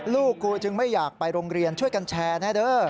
ลูกกูจึงไม่อยากไปโรงเรียนช่วยกันแชร์แน่เด้อ